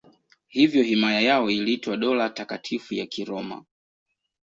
Hivyo himaya yao iliitwa Dola Takatifu la Kiroma.